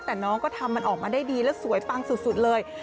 แต่น้องก็ทำมันออกมาได้ดีแล้วสวยปังสุดเลย